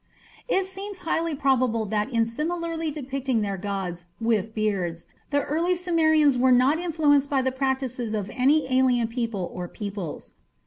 It seems highly probable that in similarly depicting their gods with beards, the early Sumerians were not influenced by the practices of any alien people or peoples.